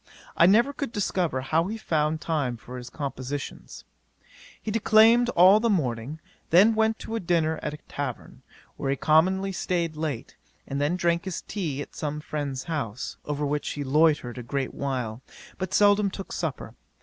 I never could discover how he found time for his compositions. He declaimed all the morning, then went to dinner at a tavern, where he commonly staid late, and then drank his tea at some friend's house, over which he loitered a great while, but seldom took supper.